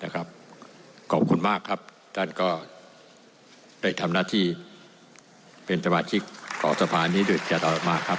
ขอบคุณมากครับท่านก็ได้ทำหน้าที่เป็นสมาชิกของสภานี้โดยจะต่อมาครับ